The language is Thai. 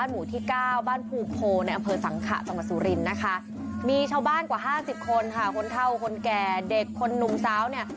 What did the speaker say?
บ้านหมู่ที่๙บ้านภูโภในอเภอสังขะสมสุรินทร์มีชาวบ้านกว่า๕๐คนคนเท่าคนแก่เด็กคนหนุ่มสาว